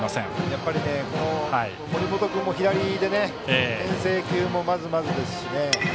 やっぱり、森本君も左でねけん制球もまずまずですしね。